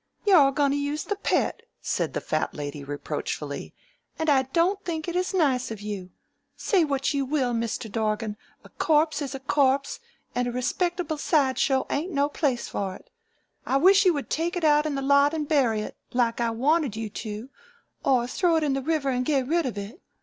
"You're goin' to use the Pet," said the Fat Lady reproachfully, "and I don't think it is nice of you. Say what you will, Mr. Dorgan, a corpse is a corpse, and a respectable side show ain't no place for it. I wish you would take it out in the lot and bury it, like I wanted you to, or throw it in the river and get rid of it.